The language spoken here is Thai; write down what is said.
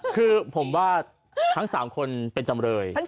คือผมว่าทั้ง๓คนเป็นจำเลย